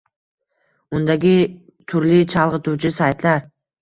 undagi turli chalg’ituvchi saytlar